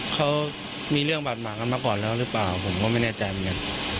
เขามีเรื่องบาดหมางกันมาก่อนแล้วหรือเปล่าผมก็ไม่แน่ใจเหมือนกัน